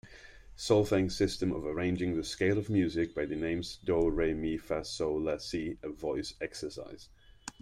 Solfaing system of arranging the scale of music by the names do, re, mi, fa, sol, la, si a voice exercise.